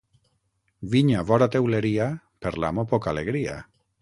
Vinya vora teuleria, per l'amo poca alegria.